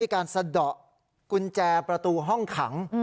การสะดอกกุญแจประตูห้องขัง